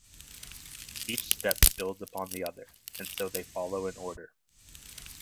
Each step builds upon the other, and so they follow in order.